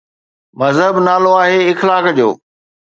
مذهب نالو آهي اخلاق جو.